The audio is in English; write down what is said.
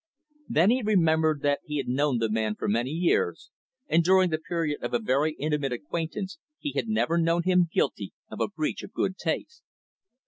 Then he remembered that he had known the man for many years, and during the period of a very intimate acquaintance he had never known him guilty of a breach of good taste.